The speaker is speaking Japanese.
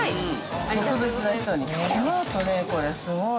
特別な人に、これすごい。